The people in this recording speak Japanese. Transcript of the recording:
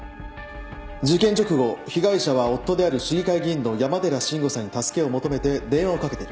事件直後被害者は夫である市議会議員の山寺信吾さんに助けを求めて電話をかけている。